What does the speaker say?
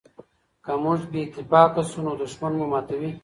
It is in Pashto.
که موږ بې اتفاقه شو نو دښمن مو ماتوي.